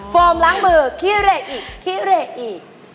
ล้างมือขี้เหละอีกขี้เหลกอีก